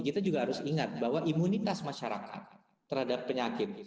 kita juga harus ingat bahwa imunitas masyarakat terhadap penyakit